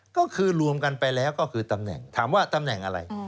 ก็คือรวมกันไปแล้วก็คือตำแหน่งถามว่าตำแหน่งอะไร